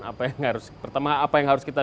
apa yang harus pertama apa yang harus kita